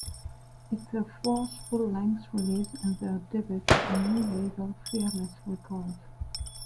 It's their fourth full-length release and their debut on new label Fearless Records.